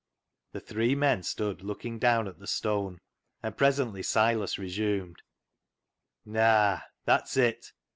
The three men stood looking down at the stone, and presently Silas resumed —" Naa, that's it.